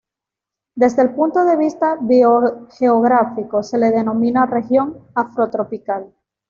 Desde el punto de vista biogeográfico, se le denomina región Afrotropical.